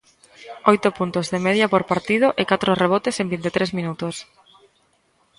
Oito puntos de media por partido e catro rebotes en vinte e tres minutos.